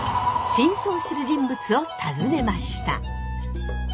真相を知る人物を訪ねました。